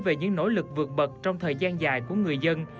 về những nỗ lực vượt bậc trong thời gian dài của người dân